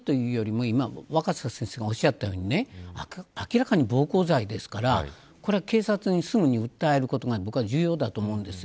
やっぱりいじめというより若狭先生が今おっしゃったように明らかに暴行罪ですからこれは警察にすぐに訴えることが重要だと思います。